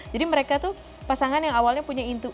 jadi mereka tuh pasangan yang awalnya punya intu